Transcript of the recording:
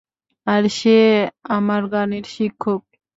আর সে আমার গানের শিক্ষক।